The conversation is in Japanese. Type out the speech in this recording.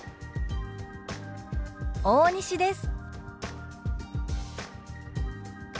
大西です」。